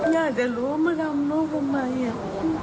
ยากจะรู้ว่ามาทำร้องลูกกับมัน